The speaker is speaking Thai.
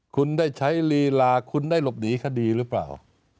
คุณได้ใช้ลีลาคุณได้หลบหนีคดีหรือเปล่า